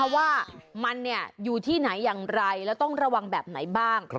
ว่ามันอยู่ที่ไหนอย่างไรแล้วต้องระวังแบบไหนบ้าง